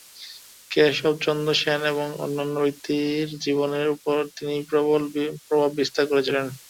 কেশবচন্দ্র সেন এবং অন্যান্য ব্যক্তির জীবনের উপর তিনি প্রবল প্রভাব বিস্তার করেছিলেন।